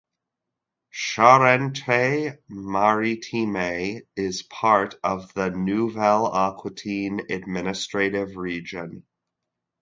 Charente-Maritime is part of the Nouvelle-Aquitaine administrative region.